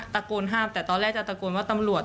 ตะโกนห้ามแต่ตอนแรกจะตะโกนว่าตำรวจ